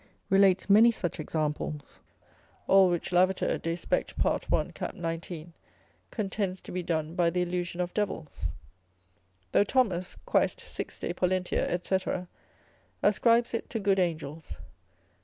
relates many such examples, all which Lavater de spectr. part. 1. cap. 19 contends to be done by the illusion of devils; though Thomas quaest. 6. de polentia, &c. ascribes it to good angels.